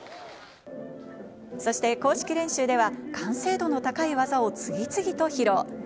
そして公式練習では完成度の高い技を次々と披露。